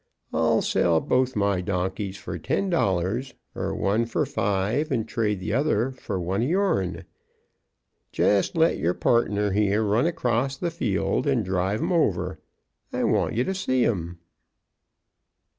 I'll sell both my donkeys for ten dollars, er one for five and trade the other for one of your'n. Jest let your partner here run across the field and drive 'em over. I want ye to see 'em."